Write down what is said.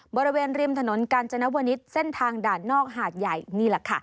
บริเวณริมถนนกาญจนวนิษฐ์เส้นทางด่านนอกหาดใหญ่นี่แหละค่ะ